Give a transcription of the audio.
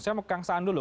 saya mau kang saan dulu